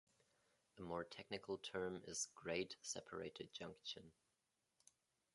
A more technical term is "grade-separated junction".